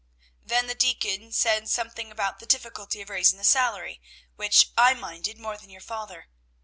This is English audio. Then the deacon said something about the difficulty of raising the salary, which I minded more than your father.